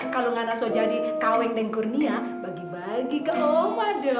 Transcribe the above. kalo ngana so jadi kaweng deng kurnia bagi bagi ke oma do